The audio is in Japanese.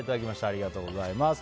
ありがとうございます。